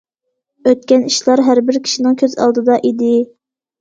ئۆتكەن ئىشلار ھەربىر كىشىنىڭ كۆز ئالدىدا ئىدى.